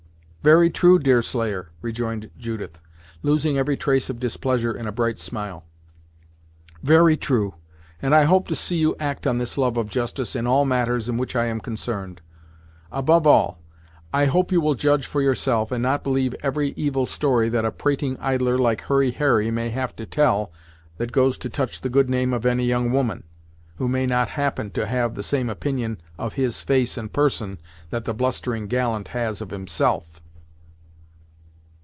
"Very true, Deerslayer," rejoined Judith, losing every trace of displeasure in a bright smile "very true, and I hope to see you act on this love of justice in all matters in which I am concerned. Above all, I hope you will judge for yourself, and not believe every evil story that a prating idler like Hurry Harry may have to tell, that goes to touch the good name of any young woman, who may not happen to have the same opinion of his face and person that the blustering gallant has of himself."